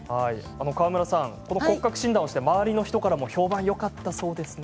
川村さん、この骨格診断をして周りの人からも評判がよかったそうですね。